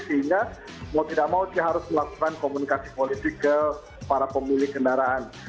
sehingga mau tidak mau dia harus melakukan komunikasi politik ke para pemilik kendaraan